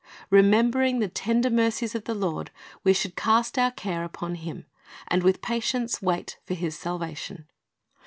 Remembering the tender mercies of the Lord, we should cast our care upon Him, and with patience wait for His salvation.